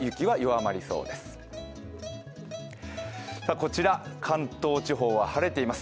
こちら、関東地方は晴れています。